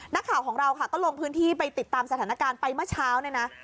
นักข่าวของเราค่ะก็ลงพื้นที่ไปติดตามสถานการณ์ไปเมื่อเช้าเนี่ยนะ